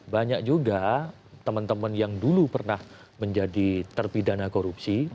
banyak juga teman teman yang dulu pernah menjadi terpidana korupsi